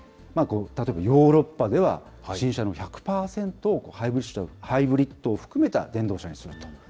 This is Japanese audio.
例えばヨーロッパでは新車の１００％をハイブリッドを含めた電動車にすると。